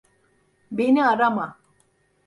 Beni arama.